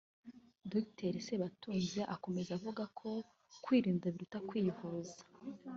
Dr Sebatunzi akomeza avuga ko kwirinda biruta kwivuza